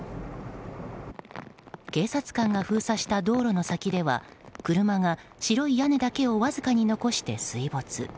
警察官が封鎖した道路の先では車が、白い屋根だけをわずかに残して水没。